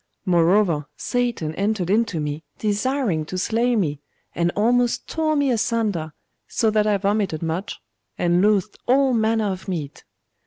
Moreover, Satan entered into me, desiring to slay me, and almost tore me asunder, so that I vomited much, and loathed all manner of meat.